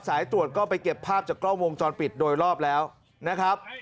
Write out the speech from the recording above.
สายตรวจก็ไปเก็บภาพจากกล้องวงจรปิดโดยรอบแล้วนะครับ